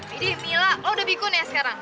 eh dia mila lo udah bikun ya sekarang